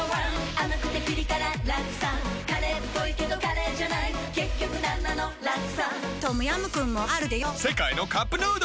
甘くてピリ辛ラクサカレーっぽいけどカレーじゃない結局なんなのラクサトムヤムクンもあるでヨ世界のカップヌードル